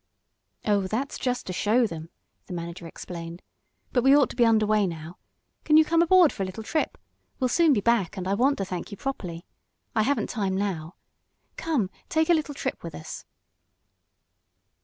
"Oh, that's just to show them," the manager explained. "But we ought to be under way now. Can you come aboard for a little trip? We'll soon be back, and I want to thank you properly. I haven't time now. Come, take a little trip with us."